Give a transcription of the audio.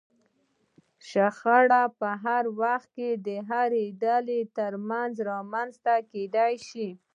شخړه په هر وخت کې د هرې ډلې ترمنځ رامنځته کېدای شي.